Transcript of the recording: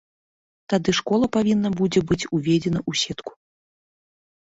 Тады школа павінна будзе быць уведзена ў сетку.